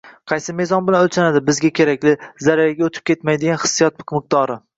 Qaysi mezon bilan o‘lchanadi bizga kerakli, zararga o‘tib ketmaydigan hissiyot miqdori?